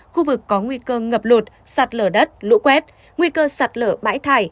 khu vực có nguy cơ ngập lụt sạt lở đất lũ quét nguy cơ sạt lở bãi thải